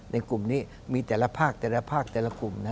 ในกลุ่มนี้มีแต่ละภาคแต่ละภาคแต่ละกลุ่มนะ